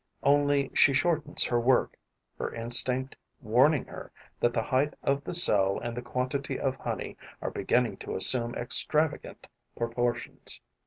Only she shortens her work, her instinct warning her that the height of the cell and the quantity of honey are beginning to assume extravagant proportions.